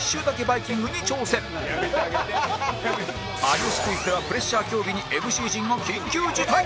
『有吉クイズ』ではプレッシャー競技に ＭＣ 陣が緊急事態